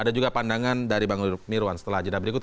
ada juga pandangan dari bang mirwan setelah ajadah berikut